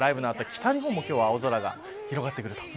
北日本も今日は青空が広がってくる。